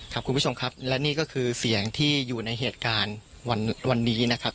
คุณผู้ชมครับและนี่ก็คือเสียงที่อยู่ในเหตุการณ์วันนี้นะครับ